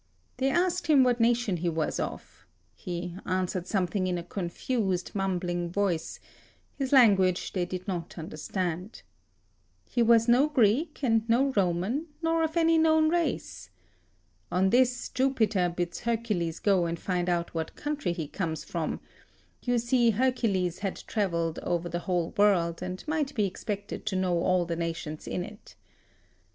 They asked him what nation he was of; he answered something in a confused mumbling voice: his language they did not understand. He was no Greek and no Roman, nor of any known race. On this Jupiter bids Hercules go and find out what country he comes from; you see Hercules had travelled over the whole world, and might be expected to know all the nations in it.